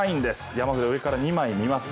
山札上から２枚見ます。